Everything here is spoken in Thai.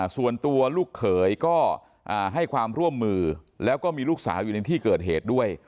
ส่วนตัวลูกเขยก็ให้ความร่วมมือแล้วก็มีลูกสาวอยู่ในที่เกิดเหตุด้วย